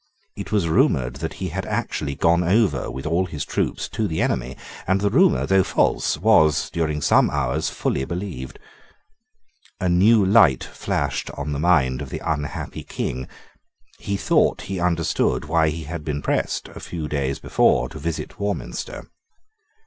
It was rumoured that he had actually gone over with all his troops to the enemy: and the rumour, though false, was, during some hours, fully believed. A new light flashed on the mind of the unhappy King. He thought that he understood why he had been pressed, a few days before, to visit Warminster.